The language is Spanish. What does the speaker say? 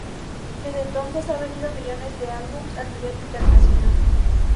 Desde entonces ha vendido millones de álbumes a nivel internacional.